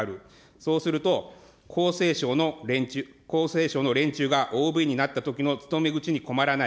そうすると、厚生省の連中がＯＢになったときの勤め口に困らない。